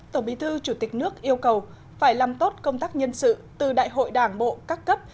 tổng bí thư chủ tịch nước yêu cầu phải làm tốt công tác nhân sự từ đại hội đảng bộ các cấp